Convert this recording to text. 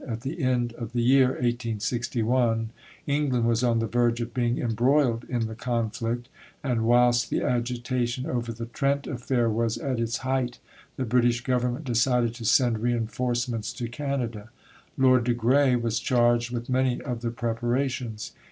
At the end of the year (1861) England was on the verge of being embroiled in the conflict, and, whilst the agitation over the Trent affair was at its height, the British Government decided to send reinforcements to Canada. Lord de Grey was charged with many of the preparations.